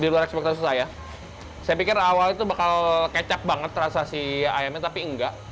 di luar ekspektasi saya saya pikir awal itu bakal kecap banget rasa si ayamnya tapi enggak